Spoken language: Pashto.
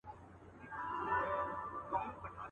نه په كار مي دي تختونه هوسونه.